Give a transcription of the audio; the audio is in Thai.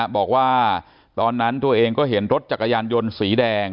บอกว่าตอนนั้นตัวเองก็เห็นรถจักรยานยนต์สีแดง